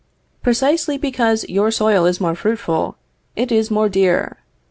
Precisely because your soil is more fruitful, it is more dear.